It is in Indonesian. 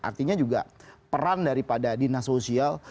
artinya juga peran daripada dinas sosial